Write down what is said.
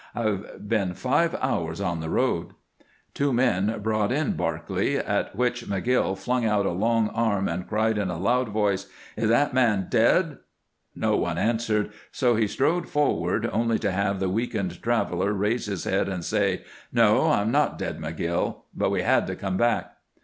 I've been five hours on the road." Two men brought in Barclay, at which McGill flung out a long arm and cried in a loud voice, "Is that man dead?" No one answered, so he strode forward, only to have the weakened traveler raise his head and say: "No, I'm not dead, McGill. But we had to come back."